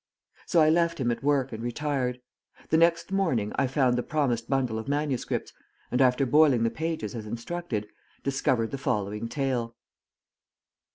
So I left him at work and retired. The next morning I found the promised bundle of manuscripts, and, after boiling the pages as instructed, discovered the following tale.